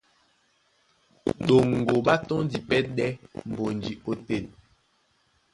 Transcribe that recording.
Ɗoŋgo ɓá tɔ́ndi pɛ́ ɗɛ́ mbonji ótên.